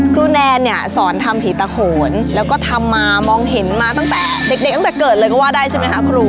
แนนเนี่ยสอนทำผีตะโขนแล้วก็ทำมามองเห็นมาตั้งแต่เด็กตั้งแต่เกิดเลยก็ว่าได้ใช่ไหมคะครู